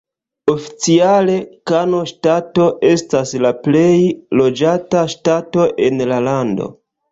Oficiale, Kano Ŝtato estas la plej loĝata ŝtato en la lando.